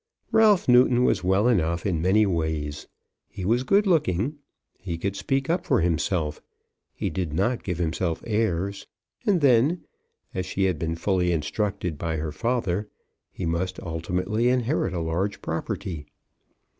Ralph Newton was well enough in many ways. He was good looking, he could speak up for himself, he did not give himself airs, and then, as she had been fully instructed by her father, he must ultimately inherit a large property.